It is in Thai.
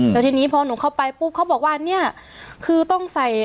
แล้วทีนี้พอหนูเข้าไปปุ๊บเขาบอกว่าเนี่ยคือต้องใส่